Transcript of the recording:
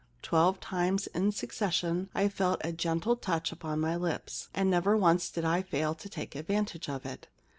Twelve times in succession I felt a gentle touch upon my lips, and never once did I fail to take advantage of it.